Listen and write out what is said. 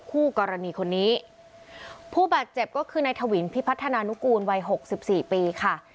คู่กรณีคนนี้ผู้บาดเจ็บก็คือนายถวินพิพัฒนานุกูลวัยหกสิบสี่ปีค่ะ